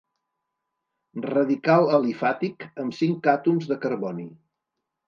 Radical alifàtic amb cinc àtoms de carboni.